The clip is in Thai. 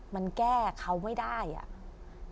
มันแก้เขาไม่ได้อ่ะ